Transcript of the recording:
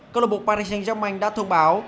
cơ lộ bộ paris saint germain đã thông báo